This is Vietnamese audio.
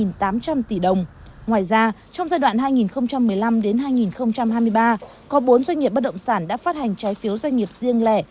ngoài ra trong giai đoạn hai nghìn một mươi năm hai nghìn hai mươi ba có bốn doanh nghiệp bất động sản đã phát hành trái phiếu doanh nghiệp riêng lẻ